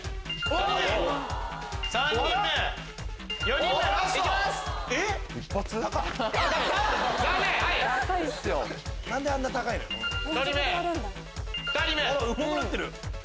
うまくなってる。